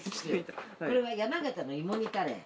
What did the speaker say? これは山形のいも煮カレー。